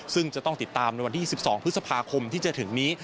ซึ่งจะต้องติดตามในวันที่๒๒พฤษภาคมที่จะถึงนี้